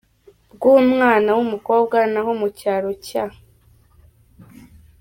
bwumwana wumukobwa, naho mu cyaro cya.